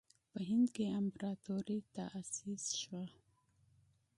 په هند کې امپراطوري تأسیس شوه.